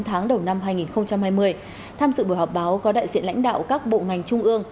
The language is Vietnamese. tham dự buổi họp báo có đại diện lãnh đạo các bộ ngành trung ương